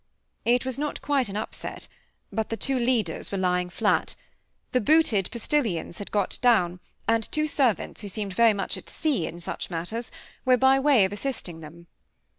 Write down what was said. It was not quite an upset. But the two leaders were lying flat. The booted postilions had got down, and two servants who seemed very much at sea in such matters, were by way of assisting them.